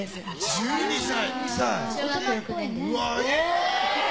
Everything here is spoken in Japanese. １２歳。